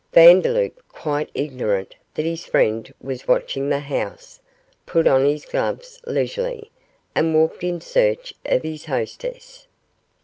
Vandeloup, quite ignorant that his friend was watching the house, put on his gloves leisurely, and walked in search of his hostess.